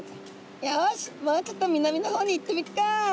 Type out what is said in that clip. よしもうちょっと南の方に行ってみっか！」。